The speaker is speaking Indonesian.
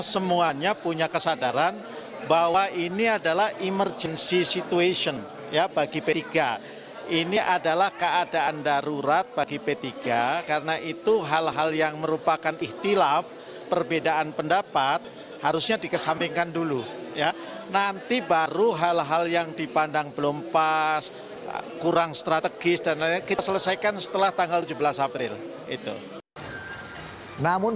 sejak terjadi berbagai dinamika dalam mukernas kepentingan partai tetap akan diutamakan